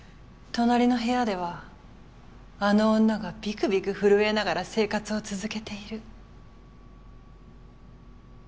隣の部屋ではあの女がびくびく震えながら生活を続けている。